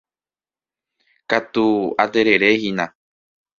Katu atererehína.